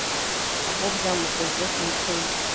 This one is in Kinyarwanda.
aho byamukoze ku mutima